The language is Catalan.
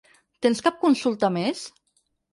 Tens cap consulta més?